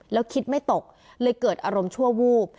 แล้วคิดไม่ตกเลยเกิดอารมณ์ชั่ววูบ